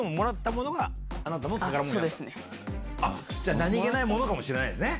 何げないものかもしれないですね